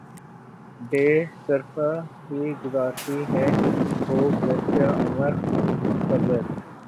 بے صرفہ ہی گزرتی ہے ہو گرچہ عمر خضر